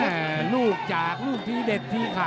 นี่ลูกจากลูกที่เด็ดที่ค่ะ